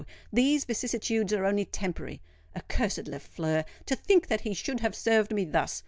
These vicissitudes are only temporary. Accursed Lafleur! To think that he should have served me thus!